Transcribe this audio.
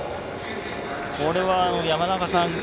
これは、山中さん